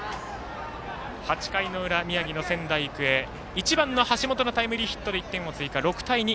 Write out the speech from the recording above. ８回の裏、宮城の仙台育英１番の橋本のタイムリーヒットで１点を追加、６対２。